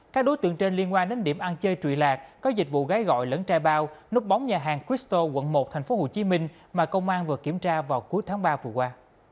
các đối tượng trên liên quan đến điểm ăn chơi trụi lạc có dịch vụ gái gọi lẫn trai bao nút bóng nhà hàng cristo quận một tp hcm mà công an vừa kiểm tra vào cuối tháng ba vừa qua